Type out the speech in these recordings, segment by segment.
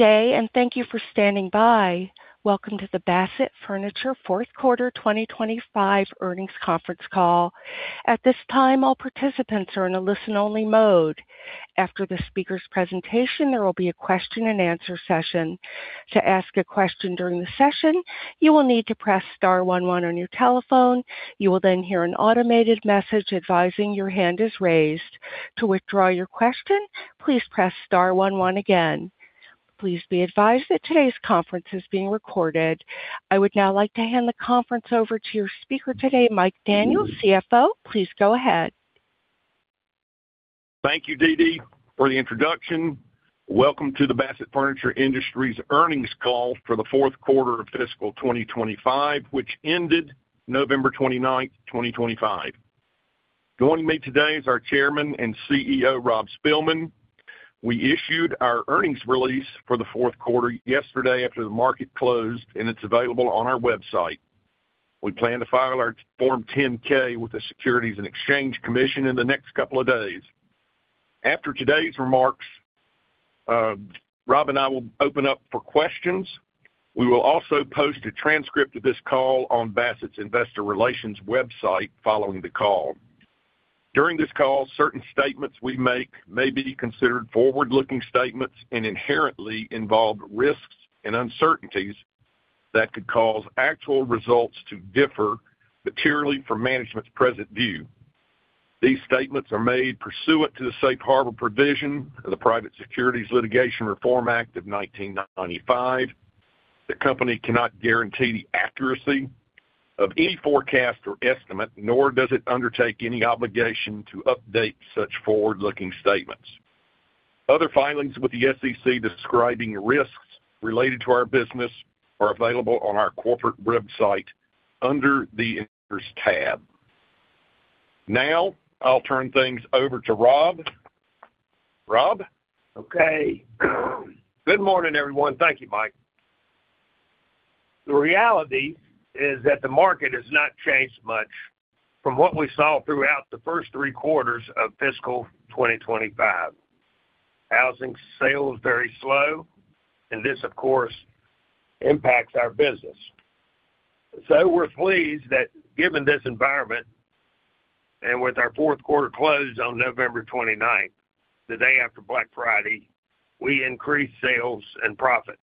day, and thank you for standing by. Welcome to the Bassett Furniture Fourth Quarter 2025 earnings conference call. At this time, all participants are in a listen-only mode. After the speaker's presentation, there will be a question-and-answer session. To ask a question during the session, you will need to press star 11 on your telephone. You will then hear an automated message advising your hand is raised. To withdraw your question, please press star 11 again. Please be advised that today's conference is being recorded. I would now like to hand the conference over to your speaker today, Mike Daniel, CFO. Please go ahead. Thank you, [Dee Dee], for the introduction. Welcome to the Bassett Furniture Industries earnings call for the fourth quarter of fiscal 2025, which ended November 29th, 2025. Joining me today is our Chairman and CEO, Rob Spilman. We issued our earnings release for the fourth quarter yesterday after the market closed, and it's available on our website. We plan to file our Form 10-K with the Securities and Exchange Commission in the next couple of days. After today's remarks, Rob and I will open up for questions. We will also post a transcript of this call on Bassett's investor relations website following the call. During this call, certain statements we make may be considered forward-looking statements and inherently involve risks and uncertainties that could cause actual results to differ materially from management's present view. These statements are made pursuant to the Safe Harbor Provision of the Private Securities Litigation Reform Act of 1995. The company cannot guarantee the accuracy of any forecast or estimate, nor does it undertake any obligation to update such forward-looking statements. Other filings with the SEC describing risks related to our business are available on our corporate website under the investors tab. Now I'll turn things over to Rob. Rob? Okay. Good morning, everyone. Thank you, Mike. The reality is that the market has not changed much from what we saw throughout the first three quarters of fiscal 2025. Housing sales are very slow, and this, of course, impacts our business. So we're pleased that, given this environment and with our fourth quarter closed on November 29th, the day after Black Friday, we increased sales and profits.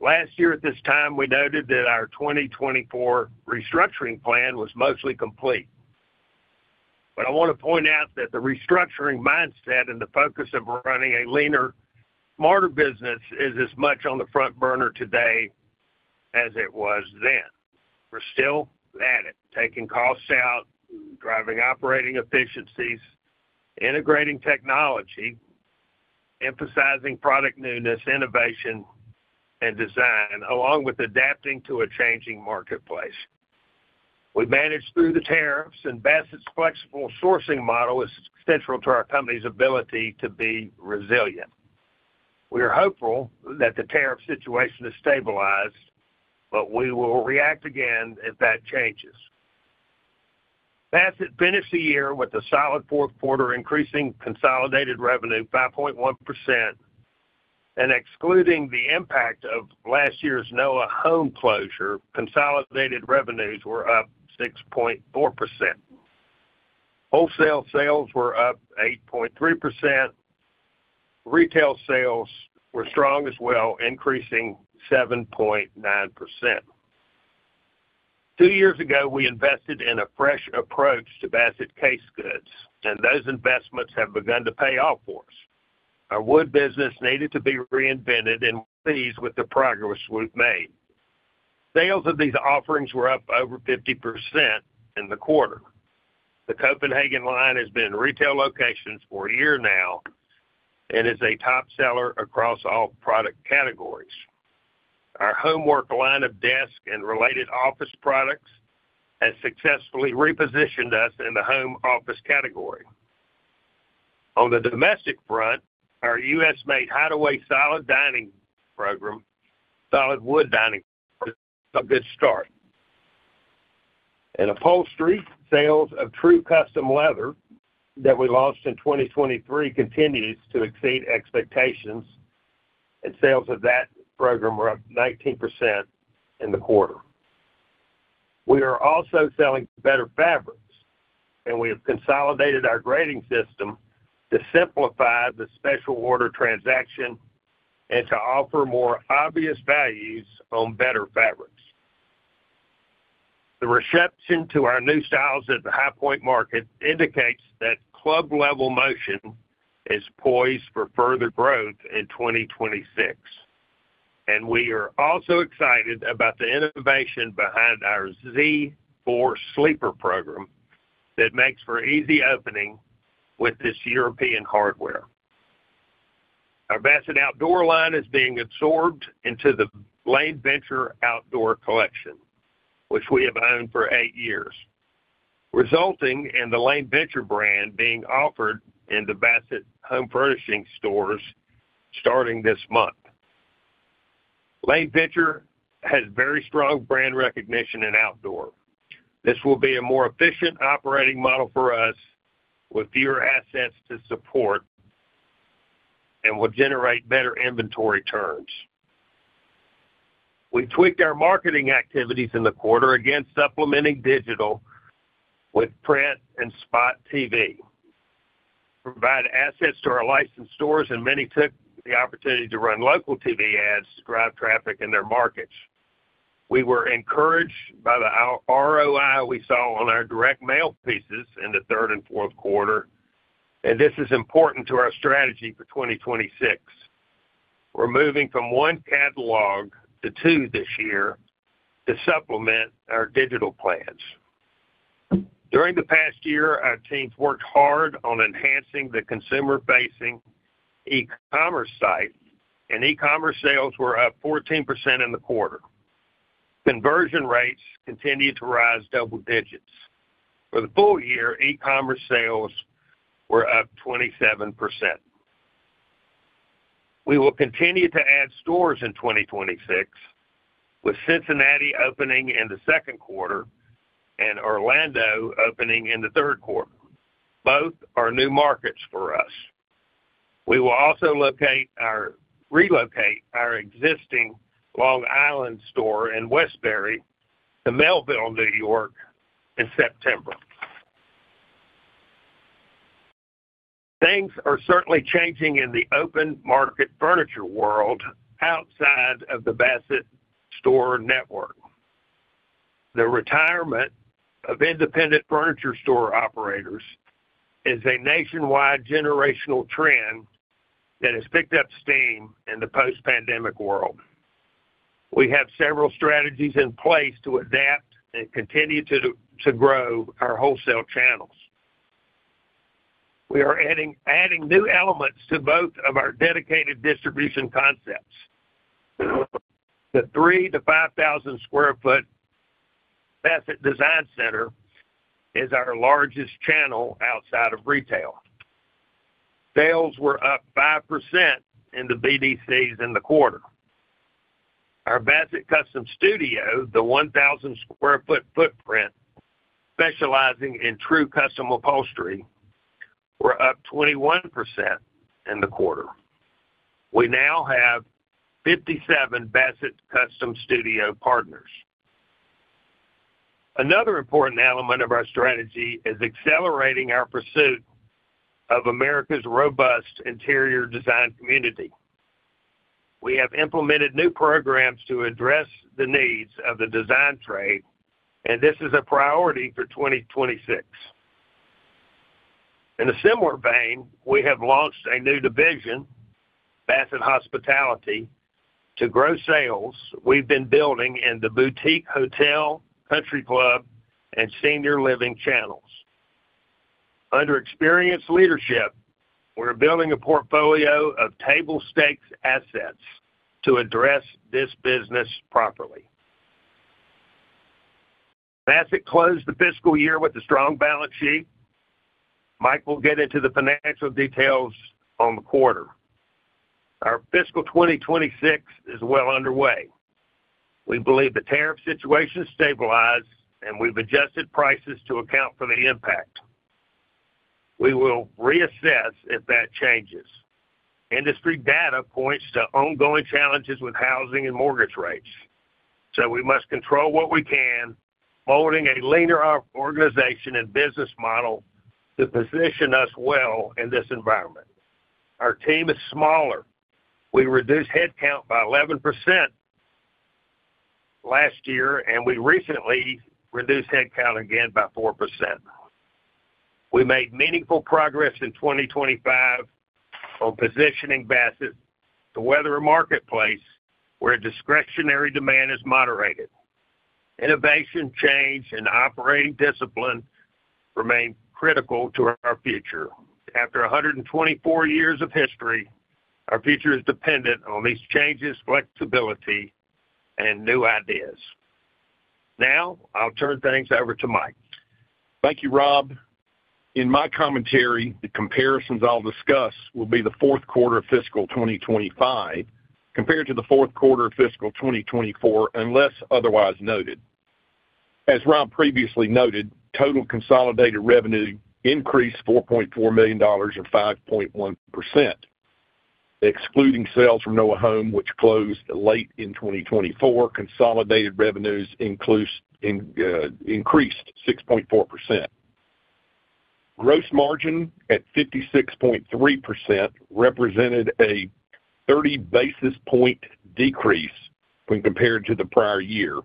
Last year, at this time, we noted that our 2024 Restructuring Plan was mostly complete. But I want to point out that the restructuring mindset and the focus of running a leaner, smarter business is as much on the front burner today as it was then. We're still at it, taking costs out, driving operating efficiencies, integrating technology, emphasizing product newness, innovation, and design, along with adapting to a changing marketplace. We managed through the tariffs, and Bassett's flexible sourcing model is essential to our company's ability to be resilient. We are hopeful that the tariff situation is stabilized, but we will react again if that changes. Bassett finished the year with a solid fourth quarter, increasing consolidated revenue 5.1%. Excluding the impact of last year's Noa Home closure, consolidated revenues were up 6.4%. Wholesale sales were up 8.3%. Retail sales were strong as well, increasing 7.9%. Two years ago, we invested in a fresh approach to Bassett case goods, and those investments have begun to pay off for us. Our wood business needed to be reinvented, and we're pleased with the progress we've made. Sales of these offerings were up over 50% in the quarter. The Copenhagen line has been in retail locations for a year now and is a top seller across all product categories. Our HomeWork line of desk and office products has successfully repositioned us in the home office category. On the domestic front, our US-made HideAway Solid Dining program, solid wood dining, is a good start. Upholstery sales of true custom leather that we launched in 2023 continues to exceed expectations, and sales of that program were up 19% in the quarter. We are also selling better fabrics, and we have consolidated our grading system to simplify the special order transaction and to offer more obvious values on better fabrics. The reception to our new styles at the High Point Market indicates that Club Level motion is poised for further growth in 2026. We are also excited about the innovation behind our Z4 Sleeper program that makes for easy opening with this European hardware. Our Bassett Outdoor line is being absorbed into the Lane Venture outdoor collection, which we have owned for eight years, resulting in the Lane Venture brand being offered in the Bassett Home Furnishings stores starting this month. Lane Venture has very strong brand recognition in outdoor. This will be a more efficient operating model for us with fewer assets to support and will generate better inventory turns. We tweaked our marketing activities in the quarter against supplementing digital with print and spot TV. Provide assets to our licensed stores, and many took the opportunity to run local TV ads to drive traffic in their markets. We were encouraged by the ROI we saw on our direct mail pieces in the third and fourth quarter, and this is important to our strategy for 2026. We're moving from one catalog to two this year to supplement our digital plans. During the past year, our teams worked hard on enhancing the consumer-facing e-commerce site, and e-commerce sales were up 14% in the quarter. Conversion rates continued to rise double digits. For the full year, e-commerce sales were up 27%. We will continue to add stores in 2026, with Cincinnati opening in the second quarter and Orlando opening in the third quarter. Both are new markets for us. We will also relocate our existing Long Island store in Westbury to Melville, New York, in September. Things are certainly changing in the open market furniture world outside of the Bassett store network. The retirement of independent furniture store operators is a nationwide generational trend that has picked up steam in the post-pandemic world. We have several strategies in place to adapt and continue to grow our wholesale channels. We are adding new elements to both of our dedicated distribution concepts. The 3,000-5,000 sq ft Bassett Design Center is our largest channel outside of retail. Sales were up 5% in the BDCs in the quarter. Our Bassett Custom Studio, the 1,000 sq ft footprint specializing in true custom upholstery, were up 21% in the quarter. We now have 57 Bassett Custom Studio partners. Another important element of our strategy is accelerating our pursuit of America's robust interior design community. We have implemented new programs to address the needs of the design trade, and this is a priority for 2026. In a similar vein, we have launched a new division, Bassett Hospitality, to grow sales we've been building in the boutique hotel, country club, and senior living channels. Under experienced leadership, we're building a portfolio of table stakes assets to address this business properly. Bassett closed the fiscal year with a strong balance sheet. Mike will get into the financial details on the quarter. Our fiscal 2026 is well underway. We believe the tariff situation stabilized, and we've adjusted prices to account for the impact. We will reassess if that changes. Industry data points to ongoing challenges with housing and mortgage rates, so we must control what we can, molding a leaner organization and business model to position us well in this environment. Our team is smaller. We reduced headcount by 11% last year, and we recently reduced headcount again by 4%. We made meaningful progress in 2025 on positioning Bassett to weather a marketplace where discretionary demand is moderated. Innovation, change, and operating discipline remain critical to our future. After 124 years of history, our future is dependent on these changes, flexibility, and new ideas. Now I'll turn things over to Mike. Thank you, Rob. In my commentary, the comparisons I'll discuss will be the fourth quarter of fiscal 2025 compared to the fourth quarter of fiscal 2024, unless otherwise noted. As Rob previously noted, total consolidated revenue increased $4.4 million or 5.1%. Excluding sales from Noa Home, which closed late in 2024, consolidated revenues increased 6.4%. Gross margin at 56.3% represented a 30 basis points decrease when compared to the prior year,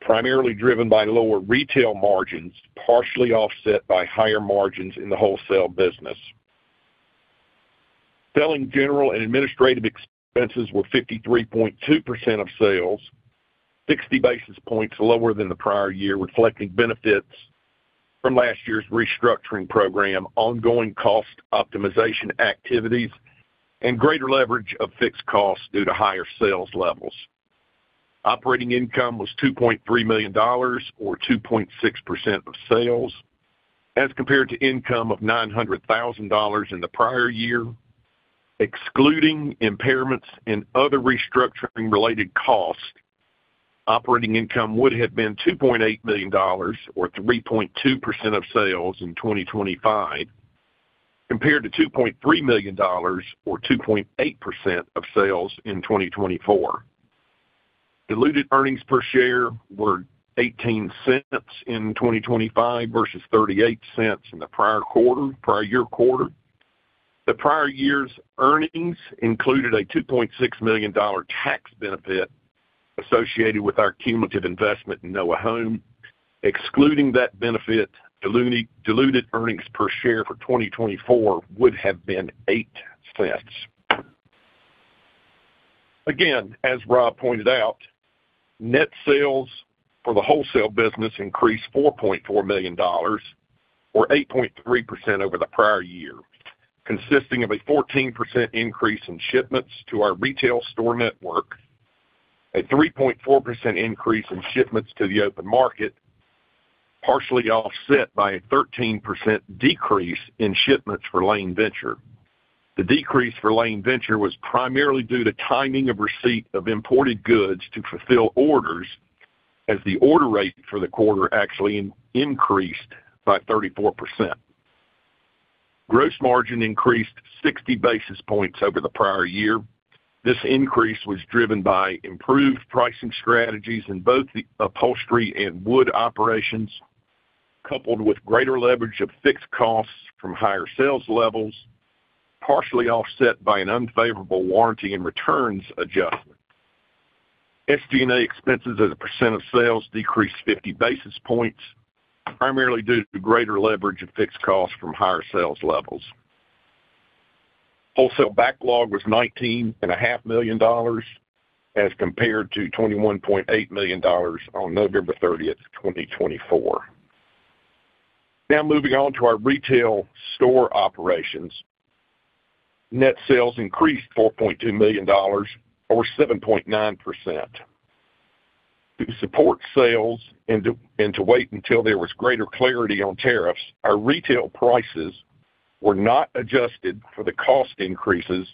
primarily driven by lower retail margins, partially offset by higher margins in the wholesale business. Selling, general, and administrative expenses were 53.2% of sales, 60 basis points lower than the prior year, reflecting benefits from last year's restructuring program, ongoing cost optimization activities, and greater leverage of fixed costs due to higher sales levels. Operating income was $2.3 million or 2.6% of sales. As compared to income of $900,000 in the prior year, excluding impairments and other restructuring-related costs, operating income would have been $2.8 million or 3.2% of sales in 2025 compared to $2.3 million or 2.8% of sales in 2024. Diluted earnings per share were $0.18 in 2025 versus $0.38 in the prior year quarter. The prior year's earnings included a $2.6 million tax benefit associated with our cumulative investment in Noa Home. Excluding that benefit, diluted earnings per share for 2024 would have been $0.08. Again, as Rob pointed out, net sales for the wholesale business increased $4.4 million or 8.3% over the prior year, consisting of a 14% increase in shipments to our retail store network, a 3.4% increase in shipments to the open market, partially offset by a 13% decrease in shipments for Lane Venture. The decrease for Lane Venture was primarily due to timing of receipt of imported goods to fulfill orders, as the order rate for the quarter actually increased by 34%. Gross margin increased 60 basis points over the prior year. This increase was driven by improved pricing strategies in both the upholstery and wood operations, coupled with greater leverage of fixed costs from higher sales levels, partially offset by an unfavorable warranty and returns adjustment. SG&A expenses as a percent of sales decreased 50 basis points, primarily due to greater leverage of fixed costs from higher sales levels. Wholesale backlog was $19.5 million as compared to $21.8 million on November 30th, 2024. Now moving on to our retail store operations. Net sales increased $4.2 million or 7.9%. To support sales and to wait until there was greater clarity on tariffs, our retail prices were not adjusted for the cost increases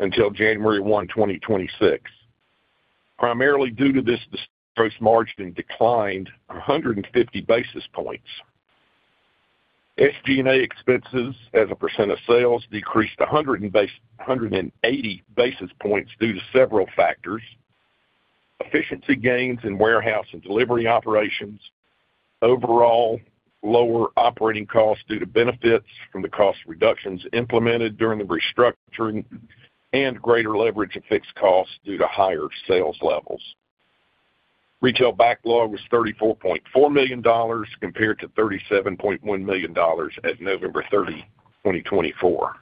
until January 1, 2026, primarily due to this, gross margin declined 150 basis points. SG&A expenses as a percent of sales decreased 180 basis points due to several factors: efficiency gains in warehouse and delivery operations, overall lower operating costs due to benefits from the cost reductions implemented during the restructuring, and greater leverage of fixed costs due to higher sales levels. Retail backlog was $34.4 million compared to $37.1 million as of November 30th, 2024.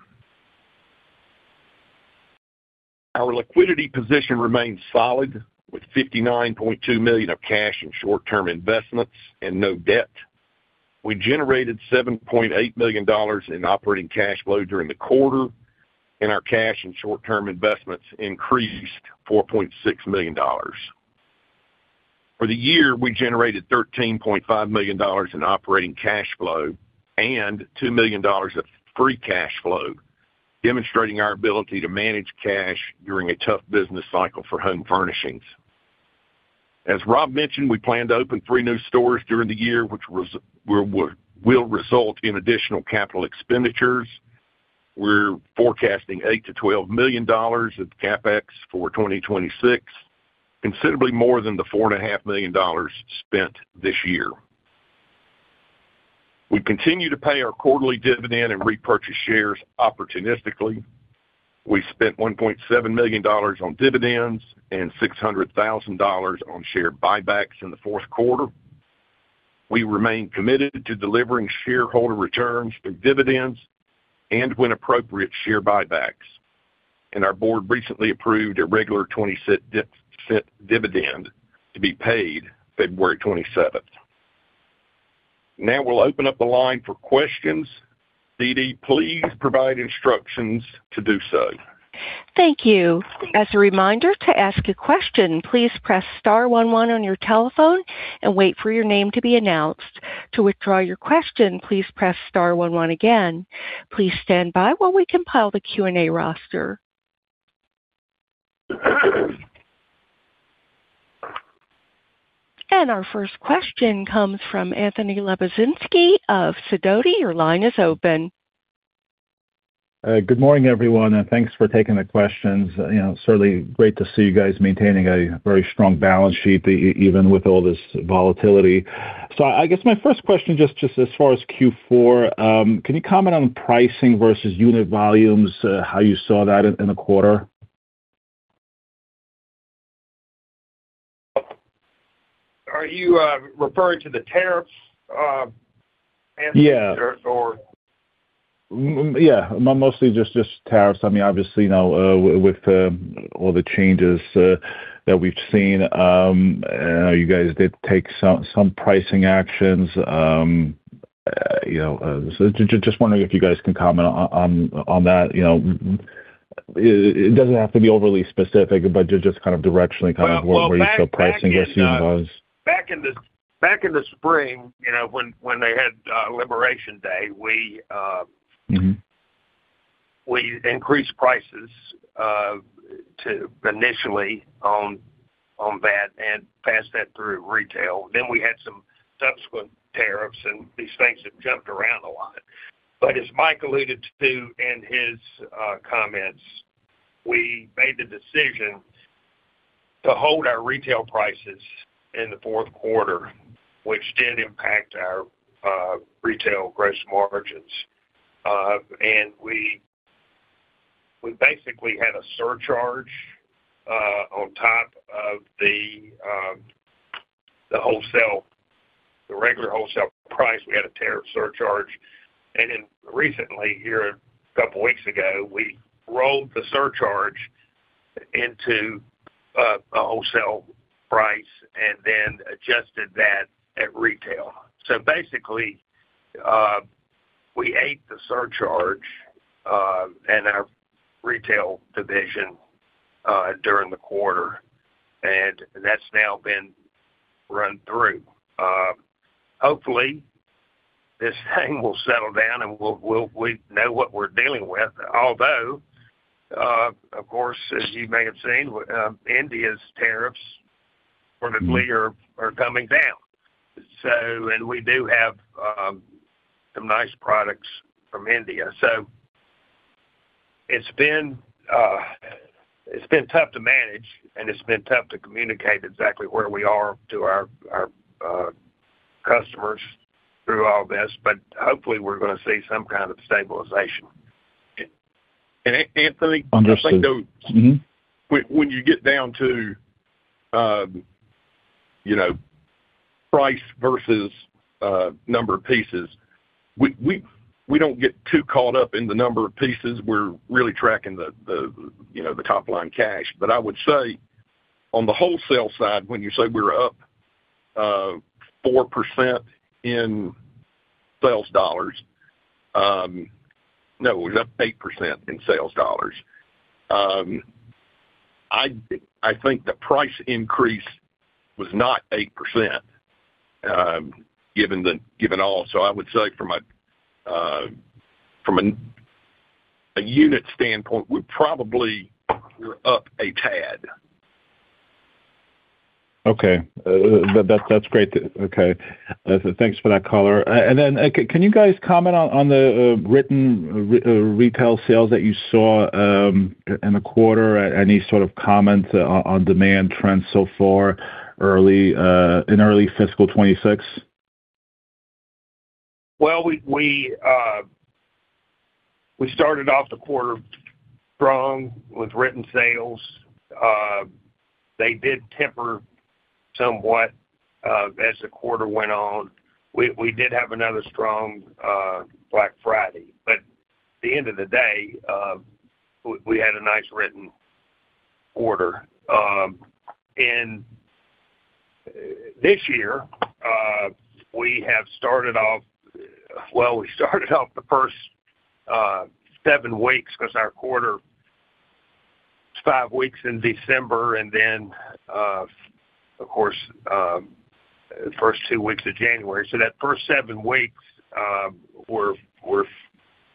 Our liquidity position remains solid with $59.2 million of cash in short-term investments and no debt. We generated $7.8 million in operating cash flow during the quarter, and our cash and short-term investments increased $4.6 million. For the year, we generated $13.5 million in operating cash flow and $2 million of free cash flow, demonstrating our ability to manage cash during a tough business cycle for home furnishings. As Rob mentioned, we plan to open three new stores during the year, which will result in additional capital expenditures. We're forecasting $8 million-$12 million of Capex for 2026, considerably more than the $4.5 million spent this year. We continue to pay our quarterly dividend and repurchase shares opportunistically. We spent $1.7 million on dividends and $600,000 on share buybacks in the fourth quarter. We remain committed to delivering shareholder returns through dividends and, when appropriate, share buybacks. Our board recently approved a regular $0.20 dividend to be paid February 27th. Now we'll open up the line for questions. [Dee Dee], please provide instructions to do so. Thank you. As a reminder, to ask a question, please press star 11 on your telephone and wait for your name to be announced. To withdraw your question, please press star 11 again. Please stand by while we compile the Q&A roster. Our first question comes from Anthony Lebiedzinski of Sidoti. Your line is open. Good morning, everyone, and thanks for taking the questions. Certainly great to see you guys maintaining a very strong balance sheet, even with all this volatility. So I guess my first question, just as far as Q4, can you comment on pricing versus unit volumes, how you saw that in the quarter? Are you referring to the tariffs, Anthony, or? Yeah. Mostly just tariffs. I mean, obviously, with all the changes that we've seen, you guys did take some pricing actions. Just wondering if you guys can comment on that. It doesn't have to be overly specific, but just kind of directionally kind of where you saw pricing versus unit volumes. Back in the spring, when they had Liberation Day, we increased prices initially on that and passed that through retail. Then we had some subsequent tariffs, and these things have jumped around a lot. But as Mike alluded to in his comments, we made the decision to hold our retail prices in the fourth quarter, which did impact our retail gross margins. And we basically had a surcharge on top of the regular wholesale price. We had a tariff surcharge. And then recently here, a couple of weeks ago, we rolled the surcharge into a wholesale price and then adjusted that at retail. So basically, we ate the surcharge in our retail division during the quarter, and that's now been run through. Hopefully, this thing will settle down, and we know what we're dealing with. Although, of course, as you may have seen, India's tariffs for the year are coming down, and we do have some nice products from India. So it's been tough to manage, and it's been tough to communicate exactly where we are to our customers through all this. But hopefully, we're going to see some kind of stabilization. And Anthony, I think when you get down to price versus number of pieces, we don't get too caught up in the number of pieces. We're really tracking the top-line cash. But I would say on the wholesale side, when you say we're up 4% in sales dollars no, we're up 8% in sales dollars. I think the price increase was not 8% given all. So I would say from a unit standpoint, we probably were up a tad. Okay. That's great. Okay. Thanks for that caller. And then can you guys comment on the written retail sales that you saw in the quarter? Any sort of comments on demand trends so far in early fiscal 2026? Well, we started off the quarter strong with written sales. They did temper somewhat as the quarter went on. We did have another strong Black Friday. But at the end of the day, we had a nice written order. And this year, we have started off well, we started off the first seven weeks because our quarter is five weeks in December and then, of course, the first two weeks of January. So that first seven weeks were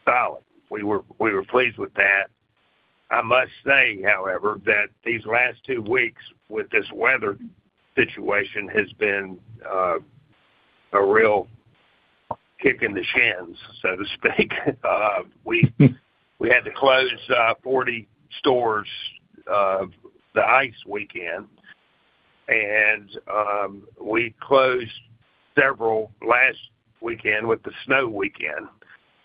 solid. We were pleased with that. I must say, however, that these last two weeks with this weather situation has been a real kick in the shins, so to speak. We had to close 40 stores the ice weekend, and we closed several last weekend with the snow weekend.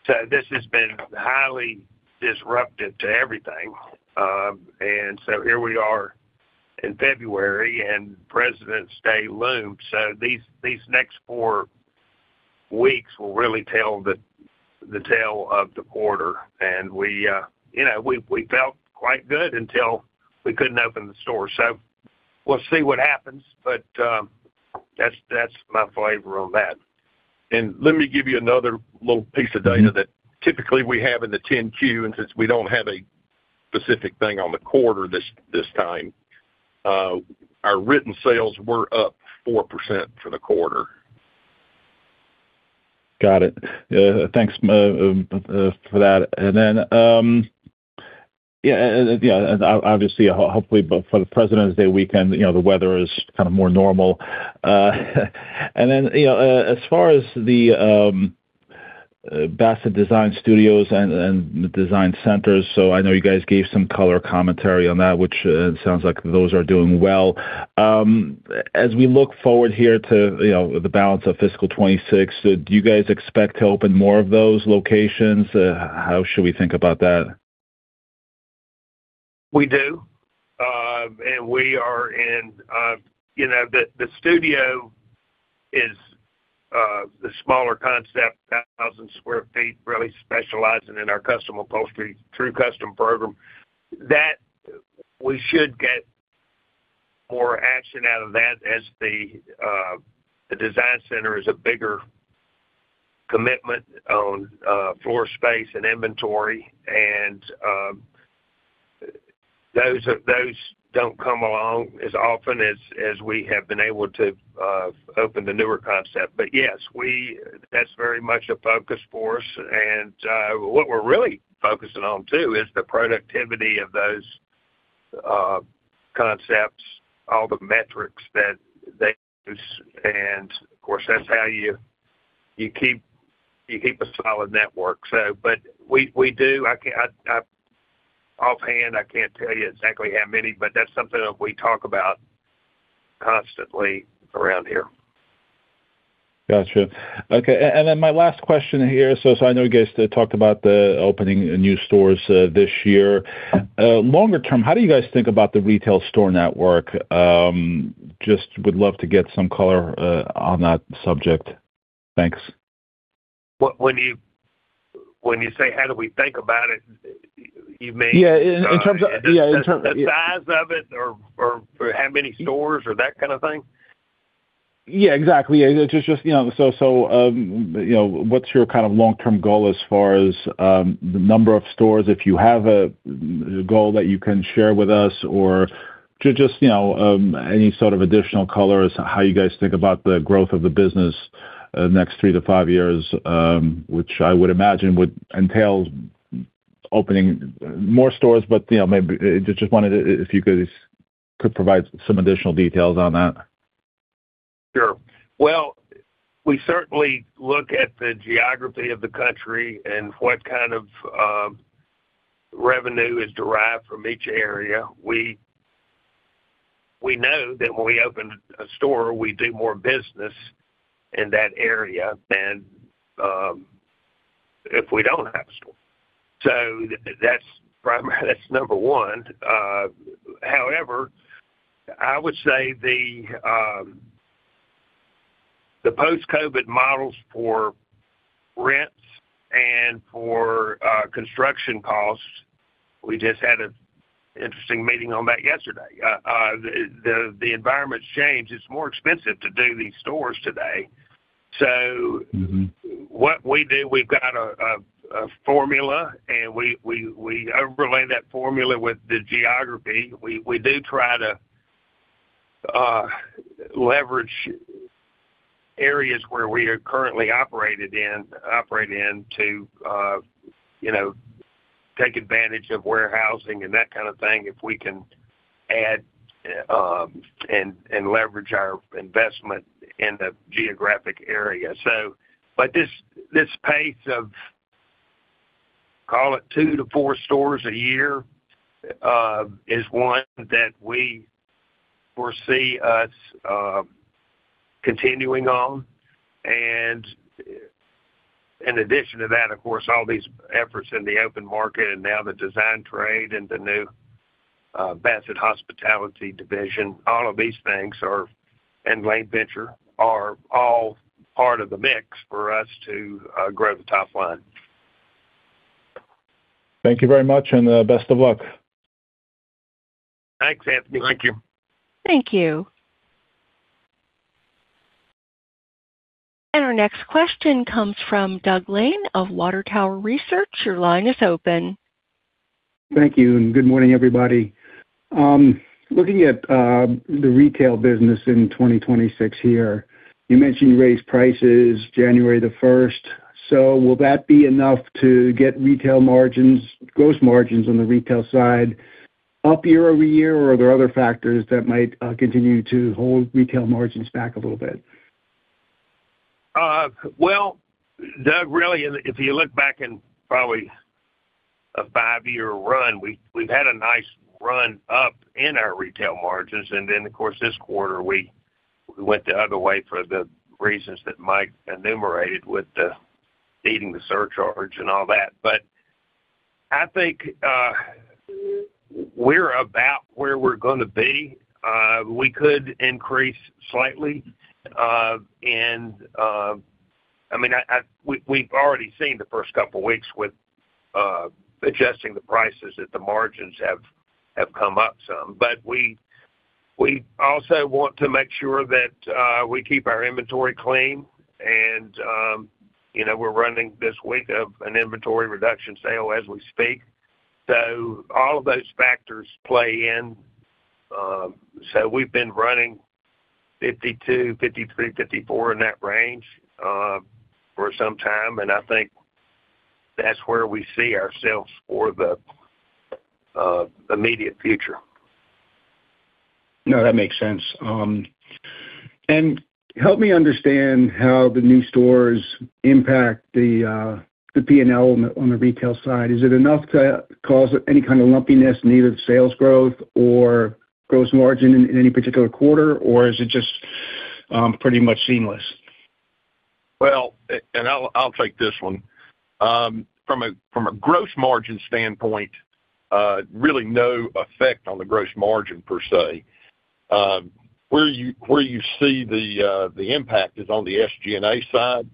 So this has been highly disruptive to everything. And so here we are in February, and President's Day loomed. These next four weeks will really tell the tale of the quarter. We felt quite good until we couldn't open the store. We'll see what happens, but that's my flavor on that. Let me give you another little piece of data that typically we have in the 10-Q. Since we don't have a specific thing on the quarter this time, our written sales were up 4% for the quarter. Got it. Thanks for that. And then yeah, obviously, hopefully, for the President's Day weekend, the weather is kind of more normal. And then as far as the Bassett Design Studios and the design centers so I know you guys gave some color commentary on that, which sounds like those are doing well. As we look forward here to the balance of fiscal 2026, do you guys expect to open more of those locations? How should we think about that? We do. And we are in the studio is the smaller concept, 1,000 sq ft, really specializing in our custom upholstery, true custom program. We should get more action out of that as the design center is a bigger commitment on floor space and inventory. And those don't come along as often as we have been able to open the newer concept. But yes, that's very much a focus for us. And what we're really focusing on too is the productivity of those concepts, all the metrics that they use. And of course, that's how you keep a solid network, so. But we do offhand, I can't tell you exactly how many, but that's something that we talk about constantly around here. Gotcha. Okay. And then my last question here, so I know you guys talked about opening new stores this year. Longer term, how do you guys think about the retail store network? Just would love to get some color on that subject. Thanks. When you say how do we think about it, you mean? Yeah. In terms of. The size of it or how many stores or that kind of thing? Yeah, exactly. It's just so what's your kind of long-term goal as far as the number of stores? If you have a goal that you can share with us or just any sort of additional color as to how you guys think about the growth of the business next three to five years, which I would imagine would entail opening more stores. But maybe just wanted to if you guys could provide some additional details on that. Sure. Well, we certainly look at the geography of the country and what kind of revenue is derived from each area. We know that when we open a store, we do more business in that area than if we don't have a store. So that's number one. However, I would say the post-COVID models for rents and for construction costs we just had an interesting meeting on that yesterday. The environment's changed. It's more expensive to do these stores today. So what we do, we've got a formula, and we overlay that formula with the geography. We do try to leverage areas where we are currently operating in to take advantage of warehousing and that kind of thing if we can add and leverage our investment in the geographic area. But this pace of, call it, 2-4 stores a year is one that we foresee us continuing on.In addition to that, of course, all these efforts in the open market and now the design trade and the new Bassett Hospitality division, all of these things and Lane Venture are all part of the mix for us to grow the top line. Thank you very much, and best of luck. Thanks, Anthony. Thank you. Thank you. And our next question comes from Doug Lane of Water Tower Research. Your line is open. Thank you. Good morning, everybody. Looking at the retail business in 2026 here, you mentioned you raised prices January the 1st. So will that be enough to get retail margins, gross margins on the retail side up year-over-year, or are there other factors that might continue to hold retail margins back a little bit? Well, Doug, really, if you look back in probably a five-year run, we've had a nice run up in our retail margins. And then, of course, this quarter, we went the other way for the reasons that Mike enumerated with eating the surcharge and all that. But I think we're about where we're going to be. We could increase slightly. And I mean, we've already seen the first couple of weeks with adjusting the prices that the margins have come up some. But we also want to make sure that we keep our inventory clean. And we're running this week of an inventory reduction sale as we speak. So all of those factors play in. So we've been running 52, 53, 54 in that range for some time. And I think that's where we see ourselves for the immediate future. No, that makes sense. Help me understand how the new stores impact the P&L on the retail side. Is it enough to cause any kind of lumpiness, neither sales growth or gross margin in any particular quarter, or is it just pretty much seamless? Well, and I'll take this one. From a gross margin standpoint, really no effect on the gross margin per se. Where you see the impact is on the SG&A side,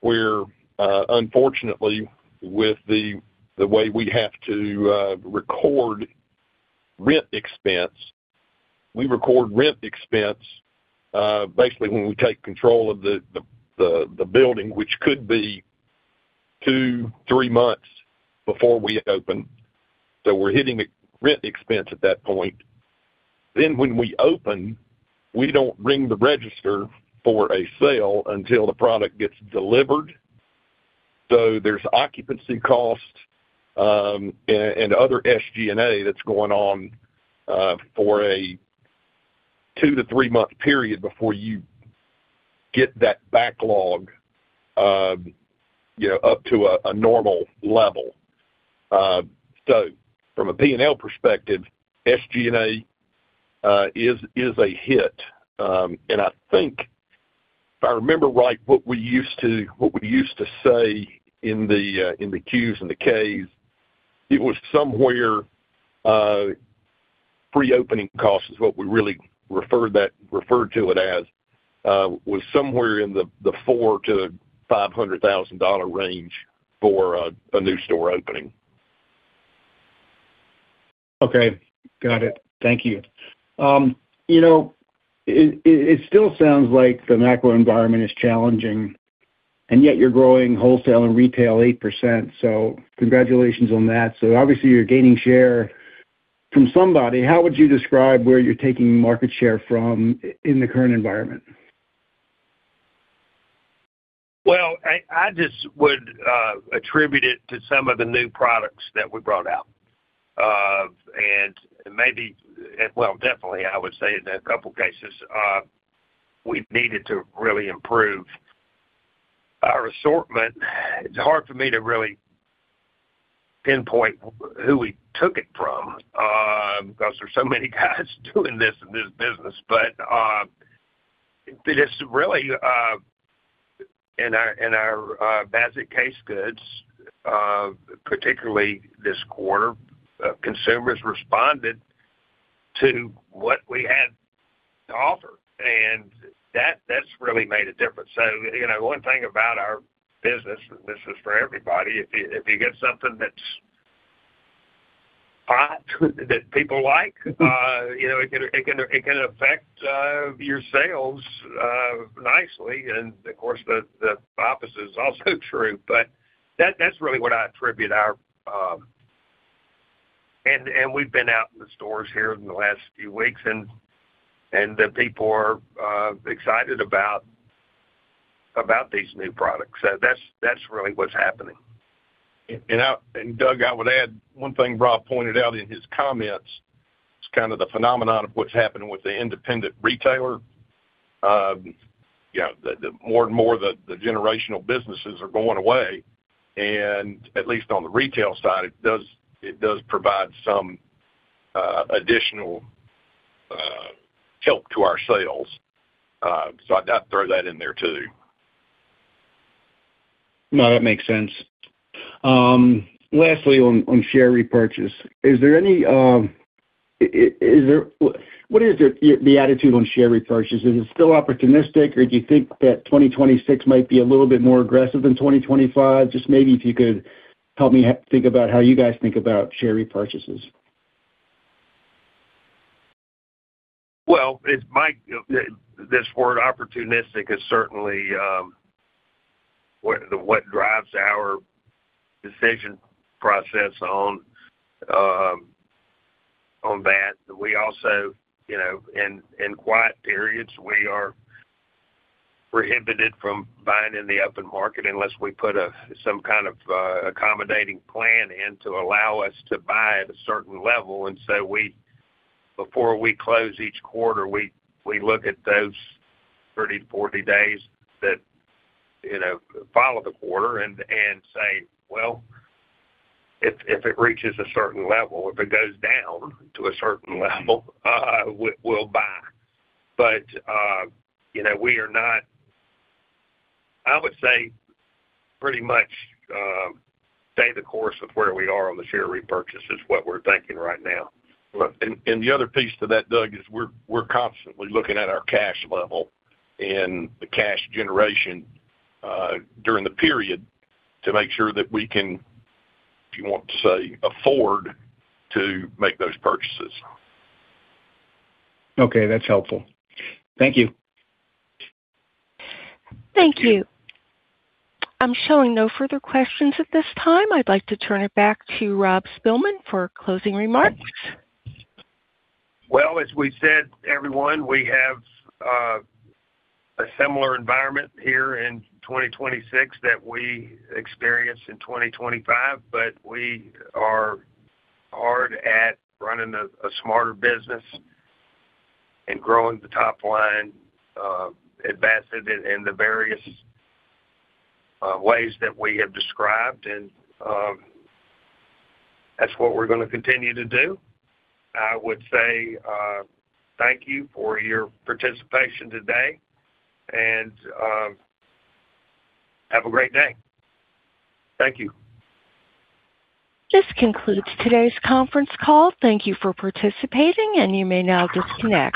where, unfortunately, with the way we have to record rent expense, we record rent expense basically when we take control of the building, which could be 2-3 months before we open. So we're hitting rent expense at that point. Then when we open, we don't ring the register for a sale until the product gets delivered. So there's occupancy cost and other SG&A that's going on for a 2-3-month period before you get that backlog up to a normal level. So from a P&L perspective, SG&A is a hit. I think if I remember right what we used to say in the Qs and the Ks, it was somewhere pre-opening cost is what we really referred to it as was somewhere in the $400,000-$500,000 range for a new store opening. Okay. Got it. Thank you. It still sounds like the macro environment is challenging. And yet, you're growing wholesale and retail 8%. So congratulations on that. So obviously, you're gaining share from somebody. How would you describe where you're taking market share from in the current environment? Well, I just would attribute it to some of the new products that we brought out. And maybe well, definitely, I would say in a couple of cases, we needed to really improve our assortment. It's hard for me to really pinpoint who we took it from because there's so many guys doing this in this business. But it's really in our Bassett case goods, particularly this quarter, consumers responded to what we had to offer. And that's really made a difference. So one thing about our business, and this is for everybody, if you get something that's hot that people like, it can affect your sales nicely. And of course, the opposite is also true. But that's really what I attribute our and we've been out in the stores here in the last few weeks, and the people are excited about these new products. So that's really what's happening. Doug, I would add one thing Rob pointed out in his comments. It's kind of the phenomenon of what's happening with the independent retailer. More and more, the generational businesses are going away. At least on the retail side, it does provide some additional help to our sales. I'd throw that in there too. No, that makes sense. Lastly, on share repurchase, is there any, what is the attitude on share repurchase? Is it still opportunistic, or do you think that 2026 might be a little bit more aggressive than 2025? Just maybe if you could help me think about how you guys think about share repurchases. Well, this word opportunistic is certainly what drives our decision process on that. We also in quiet periods, we are prohibited from buying in the open market unless we put some kind of accommodating plan in to allow us to buy at a certain level. And so before we close each quarter, we look at those 30-40 days that follow the quarter and say, "Well, if it reaches a certain level, if it goes down to a certain level, we'll buy." But we are not I would say pretty much stay the course of where we are on the share repurchase is what we're thinking right now. The other piece to that, Doug, is we're constantly looking at our cash level and the cash generation during the period to make sure that we can, if you want to say, afford to make those purchases. Okay. That's helpful. Thank you. Thank you. I'm showing no further questions at this time. I'd like to turn it back to Rob Spilman for closing remarks. Well, as we said, everyone, we have a similar environment here in 2026 that we experience in 2025. But we are hard at running a smarter business and growing the top line at Bassett in the various ways that we have described. And that's what we're going to continue to do. I would say thank you for your participation today. And have a great day. Thank you. This concludes today's conference call. Thank you for participating, and you may now disconnect.